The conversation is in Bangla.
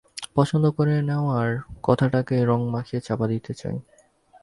পছন্দ করে নেওয়ার কথাটাকেই রঙ মাখিয়ে চাপা দিতে চায়।